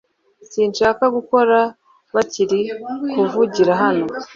Sinshaka gukora bakiri kuvugira hano .